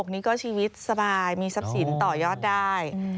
นี้ก็ชีวิตสบายมีทรัพย์สินต่อยอดได้